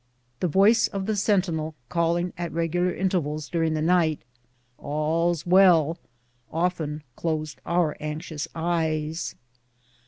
The voice of the sentinel calling, at regular intervals during the night, "All's well," often closed our anxious eyes.